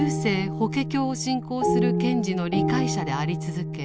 法華経」を信仰する賢治の理解者であり続け